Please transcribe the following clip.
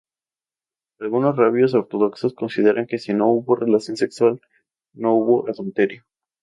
Algunos rabinos ortodoxos consideran que si no hubo relación sexual no hubo adulterio.